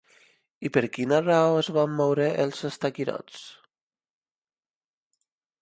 I per quina raó es van moure els estaquirots?